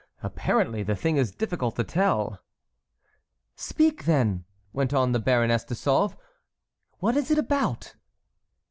"Apparently the thing is difficult to tell." "Speak, then," went on the Baroness de Sauve; "what is it about?"